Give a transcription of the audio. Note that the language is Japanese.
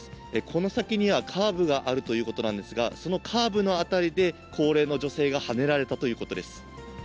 この先にはカーブがあるということなんですが、そのカーブの辺りで、高齢の女性がはねられたということです。